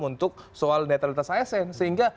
untuk soal netralitas asn sehingga